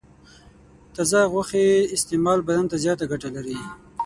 د تازه غوښې استعمال بدن ته زیاته ګټه لري.